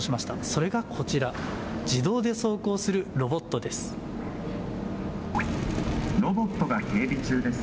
それがこちら自動で走行するロボットです。